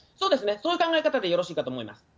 そういう考え方でよろしいかと思います。